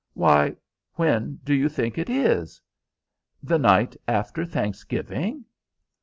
Why, when do you think it is?" "The night after Thanksgiving."